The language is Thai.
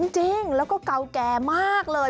จริงแล้วก็เก่าแก่มากเลย